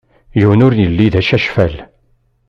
Yiwen ur yelli d acacfal.